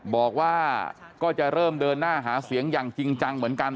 บอกว่าก็จะเริ่มเดินหน้าหาเสียงอย่างจริงจังเหมือนกัน